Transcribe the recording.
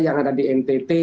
yang ada di ntt